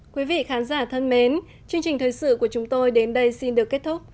quý vị khán giả thân mến chương trình thời sự của chúng tôi đến đây xin được kết thúc